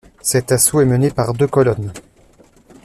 Cet assaut est mené par deux colonnes.